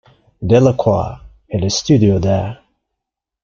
Delacroix had a studio there.